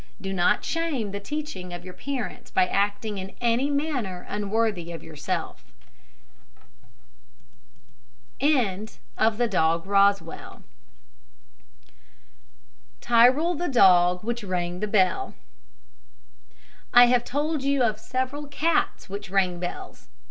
Do not shame the teaching of your parents by acting in any manner unworthy of yourself. Tyrol, the Dog which rang the Bell. I have told you of several cats which rang bells.